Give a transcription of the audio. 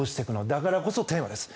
だからこそテーマです。